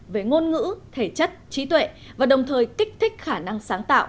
về ngôn ngữ thể chất trí tuệ và đồng thời kích thích khả năng sáng tạo